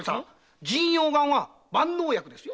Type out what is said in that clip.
神陽丸は万能薬ですよ。